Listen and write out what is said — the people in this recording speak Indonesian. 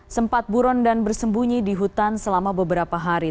sempat buron dan bersembunyi di hutan selama beberapa hari